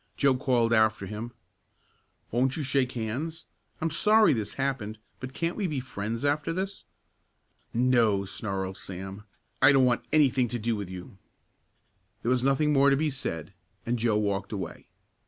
Joe called after him: "Won't you shake hands? I'm sorry this happened, but can't we be friends after this?" "No!" snarled Sam. "I don't want anything to do with you." There was nothing more to be said, and Joe walked away.